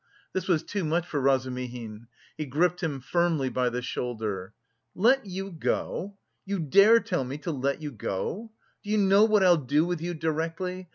This was too much for Razumihin; he gripped him firmly by the shoulder. "Let you go? You dare tell me to let you go? Do you know what I'll do with you directly?